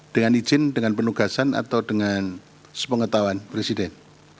dengan izin dengan penugasan atau dengan sepengetahuan presiden